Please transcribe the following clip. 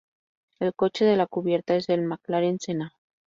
El coche de la cubierta es el McLaren Senna.